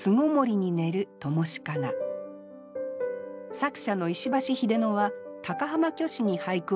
作者の石橋秀野は高浜虚子に俳句を学びました。